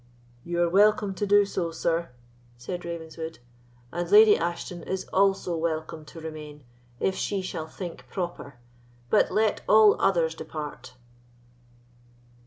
"You are welcome to do so, sir," said Ravenswood; "and Lady Ashton is also welcome to remain, if she shall think proper; but let all others depart."